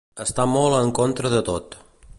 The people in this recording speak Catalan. Està molt en contra de tot.